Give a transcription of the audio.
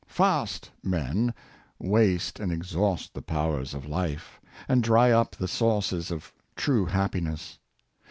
" Fast " men waste and exhaust the powers of life, and drv up the sources of true happinesss.